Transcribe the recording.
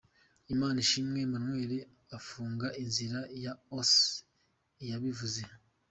Imanishimwe Emmanuel afunga inzira ya Osee Iyabivuze.